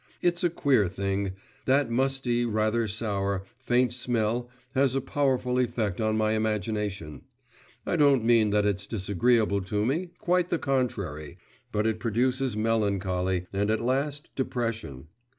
It's a queer thing; that musty, rather sour, faint smell has a powerful effect on my imagination; I don't mean that it's disagreeable to me, quite the contrary, but it produces melancholy, and, at last, depression.